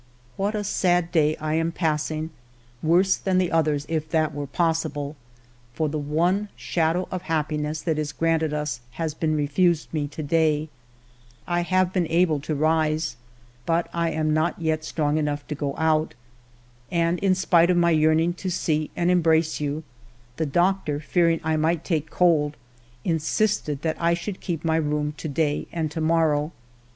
What a sad day I am passing, worse than the others, if that were possible, for the one shadow of happiness that is granted us has been refused me to day. I have been able to rise, but I am not yet strong enough to go out. And in spite of my yearning to see and embrace you, the doctor, fearing I might take cold, insisted that I should keep my room to day and to morrow.